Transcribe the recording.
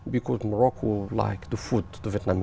vì quốc gia morocco thích ăn quốc gia việt nam